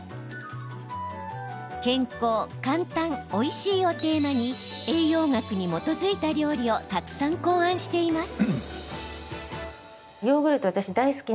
健康、簡単、おいしいをテーマに栄養学に基づいた料理をたくさん考案しています。